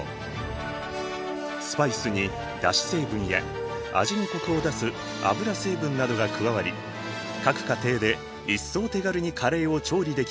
スパイスにだし成分や味にコクを出す油成分などが加わり各家庭で一層手軽にカレーを調理できるようになる。